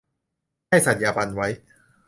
ให้สัตยาบันไว้